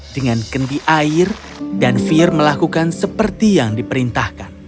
dengan kendi air dan fir melakukan seperti yang diperintahkan